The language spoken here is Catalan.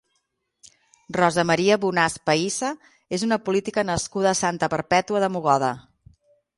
Rosa Maria Bonàs Pahisa és una política nascuda a Santa Perpètua de Mogoda.